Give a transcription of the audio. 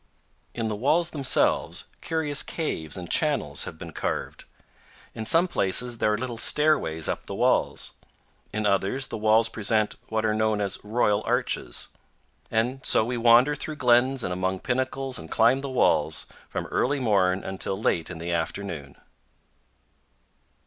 In the walls themselves curious caves and channels have been carved. In some places there are little stairways up the walls; in others, the walls present what are known as royal arches; and so we wander through glens and among pinnacles and climb the walls from early morn until late in the afternoon.